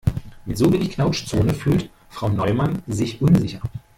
Mit so wenig Knautschzone fühlt Frau Neumann sich unsicher.